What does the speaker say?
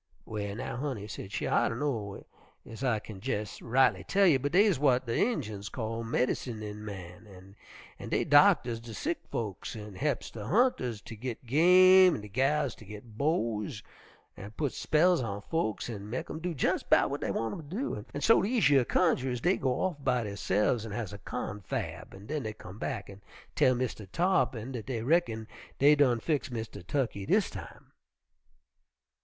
"Well now, honey," said she, "I dunno ez I kin jes' rightly tell you, but deys w'at de Injuns calls 'medincin' men,' an' dey doctors de sick folks an' he'ps de hunters ter git game an' de gals ter git beaux, an' putts spells on folks an' mek 'em do jes' 'bout w'at dey want 'em to. An' so dese yer cunjerers dey goes off by derse'fs an' has a confab an' den dey come back an' tell Mistah Tarr'pin dat dey reckon dey done fix Mistah Tukkey dis time.